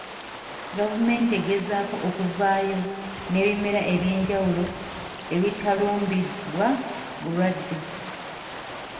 Gavumenti egezaako okuvaayo n'ebimera eby'enjawulo ebitalumbibwa bulwadde.